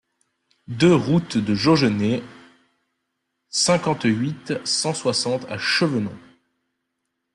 deux route de Jaugenay, cinquante-huit, cent soixante à Chevenon